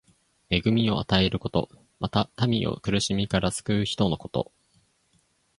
恵みを与えること。また、民を苦しみから救う人のこと。